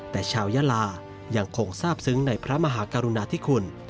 แต่ชาวยาลายังคงทราบซึ้งในพระมหากรุณาธิคุณ